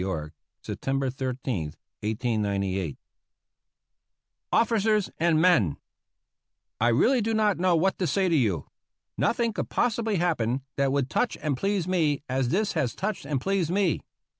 Y., Sep tember 13, 1898.] OrncERS AND Men: I really do not know what to say to you. Nothing could possibly happen that would touch and please me as this has touched and pleased me.